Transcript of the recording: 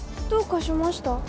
どうかしました？